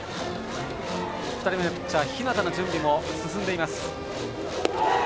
２人目のピッチャー日當の準備も進んでいます。